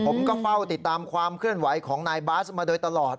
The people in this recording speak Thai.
ผมก็เฝ้าติดตามความเคลื่อนไหวของนายบาสมาโดยตลอด